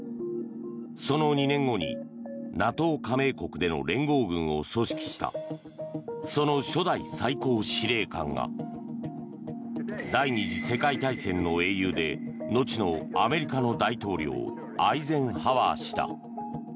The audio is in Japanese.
その２年後にＮＡＴＯ加盟国での連合軍を組織したその初代最高司令官が第２次世界大戦の英雄でのちのアメリカの大統領アイゼンハワー氏だ。